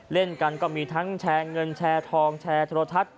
เล่นกันก็มีทั้งแชร์เงินแชร์ทองแชร์โทรทัศน์